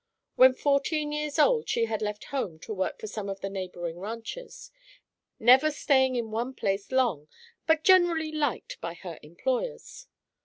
When fourteen years old she had left home to work for some of the neighboring ranchers, never staying in one place long but generally liked by her employers.